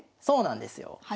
そうなんですよ。